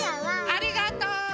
ありがとう。